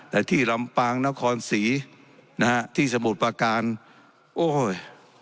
แต่ที่ลำปางนครศรีนะฮะที่สมุทรประการโอ้ย